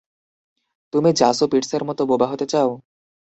তুমি জাসু পিটসের মত বোবা হতে চাও?